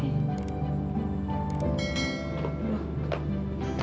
aneh ada apa sih